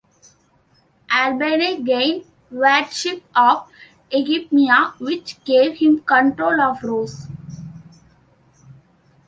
Albany gained wardship of Euphemia, which gave him control of Ross.